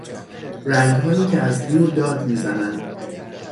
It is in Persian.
رنگهایی که از دور داد میزنند